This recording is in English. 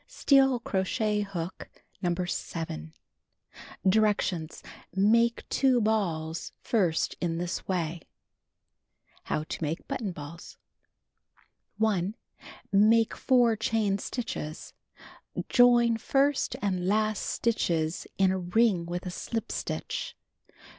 Steel crochet hook No. 7. Make two balls first in this way: How TO Make Button Balls 1. Make 4 chain stitches. Join first and last stitches in a ring with a slip stitch.